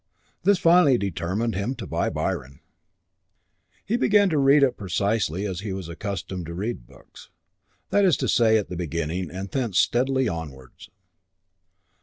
This finally determined him to buy Byron. He began to read it precisely as he was accustomed to read books, that is to say at the beginning and thence steadily onwards.